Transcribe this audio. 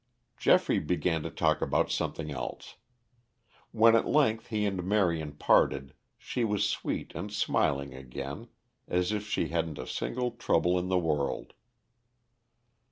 Geoffrey began to talk about something else. When at length he and Marion parted she was sweet and smiling again, as if she hadn't a single trouble in the world.